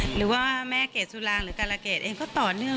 หรือว่าแม่เกดสุรางหรือการาเกรดเองก็ต่อเนื่อง